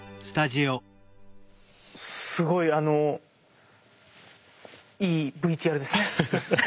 すごいあのいいＶＴＲですね。